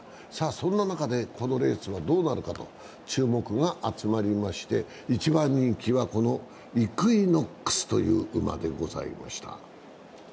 そんな中でこのレースはどうなるかと注目が集まりまして、１番人気はイクイノックスという馬でございました。